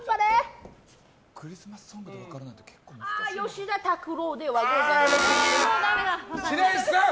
吉田拓郎ではございません！